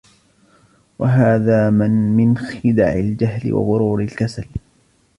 وَهَذَا مِنْ خِدَعِ الْجَهْلِ وَغُرُورِ الْكَسَلِ